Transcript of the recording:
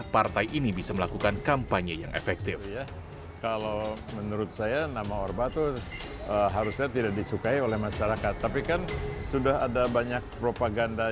partai ini bisa dikawal dengan kekuatan uang dan propaganda